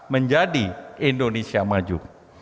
menjadi indonesia maju